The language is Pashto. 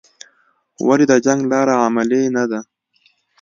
ولې د جنګ لاره عملي نه ده؟